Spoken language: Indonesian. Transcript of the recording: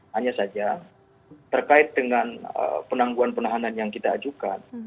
hanya saja terkait dengan penangguhan penahanan yang kita ajukan